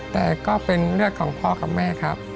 แต่ก็เป็นเลือดของพ่อกับแม่ครับ